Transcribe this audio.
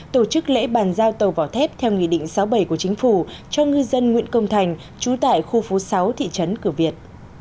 tổ chức lễ bàn giao tàu vỏ thép theo nghị định sáu bảy của chính phủ cho ngư dân nguyễn công thành trú tại khu phố sáu thị trấn cửa việt